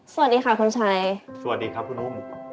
สวัสดีค่ะคุณชัยสวัสดีครับคุณอุ้ม